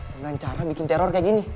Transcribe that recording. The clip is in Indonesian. dengan cara bikin teror kayak gini